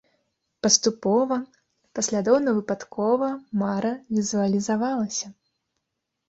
Паступова, паслядоўна-выпадкова мара візуалізавалася.